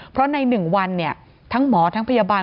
เพราะใน๑วันทั้งหมอทั้งพยาบาล